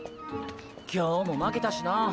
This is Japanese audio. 今日も負けたしな。